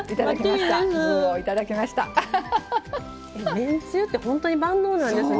めんつゆって本当に万能なんですね。